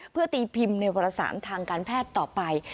เพื่อตีพิมพ์ในวรสารทางการแพทย์ต่อไป